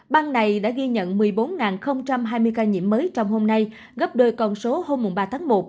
bang này đã ghi nhận một mươi bốn hai mươi ca nhiễm mới trong hôm nay gấp đôi con số hôm ba tháng một